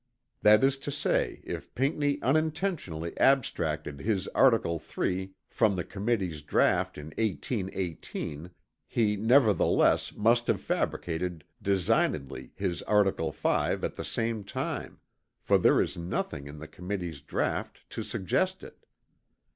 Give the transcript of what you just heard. That is to say if Pinckney unintentionally abstracted his article 3 from the committee's draught in 1818, he, nevertheless, must have fabricated designedly his article 5 at the same time; for there is nothing in the committee's draught to suggest it.